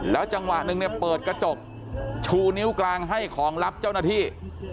จังหวะหนึ่งเนี่ยเปิดกระจกชูนิ้วกลางให้ของรับเจ้าหน้าที่